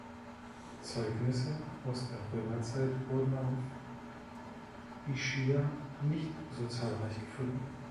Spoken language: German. Zeugnisse aus der Römerzeit wurden auf Ischia nicht so zahlreich gefunden.